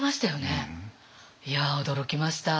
いや驚きました。